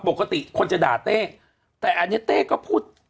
ปกติคนจะด่าเต้แต่อันนี้เต้ก็พูด